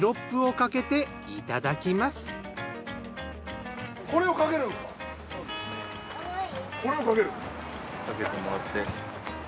かけてもらって。